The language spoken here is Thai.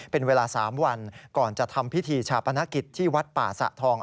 เป็นเวลา๓วันก่อนจะทำพิธีชาปนกิจที่วัดป่าสะทอง